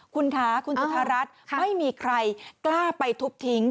คุณค้าคุณศุฤทธรรรษไม่มีใครกล้าไปทุบทิ้ง